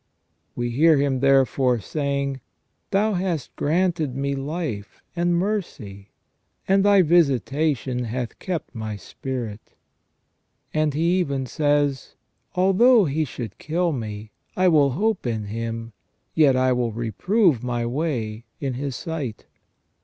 We hear him, therefore, saying :" Thou hast granted me life, and mercy, and Thy visitation hath kept my spirit". And he even says :" Although He should kill me, I will hope in Him : yet I will reprove my way in His sight